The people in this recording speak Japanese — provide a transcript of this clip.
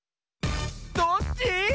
どっち？